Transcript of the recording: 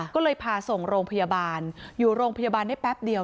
ก็เลยพาส่งโรงพยาบาลอยู่โรงพยาบาลได้แป๊บเดียว